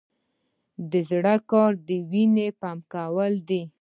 د زړه کار د وینې پمپ کول دي